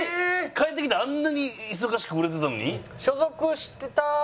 帰ってきたらあんなに忙しく売れてたのに？